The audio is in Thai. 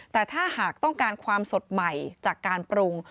แต่ถ้าหากต้องการความสดใหม่จากการปรุง